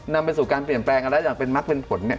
นำไปสู่การเปลี่ยนแปลงอะไรอย่างเป็นมักเป็นผล